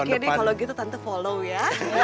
oke deh kalau gitu tentu follow ya